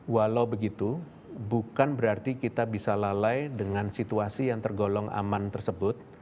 walau begitu bukan berarti kita bisa lalai dengan situasi yang tergolong aman tersebut